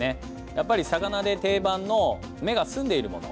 やっぱり魚で定番の目が澄んでいるもの。